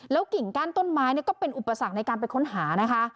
กิ่งก้านต้นไม้ก็เป็นอุปสรรคในการไปค้นหานะคะ